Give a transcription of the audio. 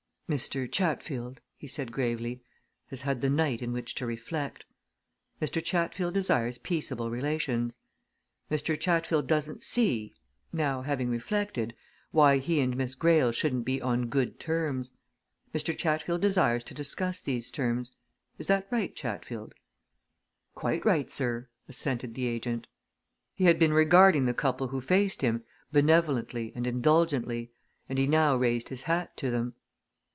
"Mr. Chatfield," he said gravely, "has had the night in which to reflect. Mr. Chatfield desires peaceable relations. Mr. Chatfield doesn't see now, having reflected why he and Miss Greyle shouldn't be on good terms. Mr. Chatfield desires to discuss these terms. Is that right, Chatfield?" "Quite right, sir," assented the agent. He had been regarding the couple who faced him benevolently and indulgently, and he now raised his hat to them.